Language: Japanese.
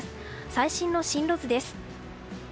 最新の進路図です。